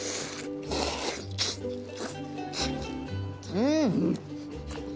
うん！